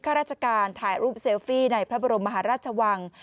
ข้าราชการถ่ายรูปเซลฟี่ในพระบรมมหาราชวัง